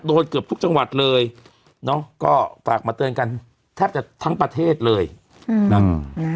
เกือบทุกจังหวัดเลยเนอะก็ฝากมาเตือนกันแทบจะทั้งประเทศเลยอืมนะอืม